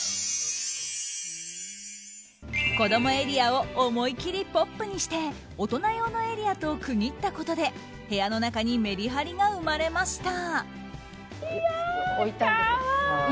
子供エリアを思いきりポップにして大人用のエリアと区切ったことで部屋の中にメリハリが生まれました。